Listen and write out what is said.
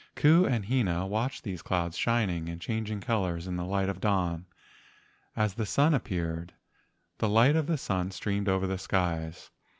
Ku and Hina watched these clouds shining and changing colors in the light of the dawn, as the sun ap¬ peared. The light of the sun streamed over the skies.